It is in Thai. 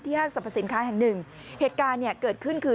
ที่ห้างสรรพสินค้าแห่ง๑เหตุการณ์เกิดขึ้นคือ